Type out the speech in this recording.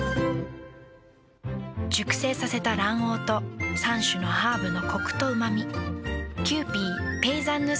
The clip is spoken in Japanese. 熟成させた卵黄と３種のハーブのコクとうま味。